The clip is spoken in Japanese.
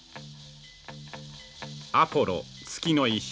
「アポロ月の石。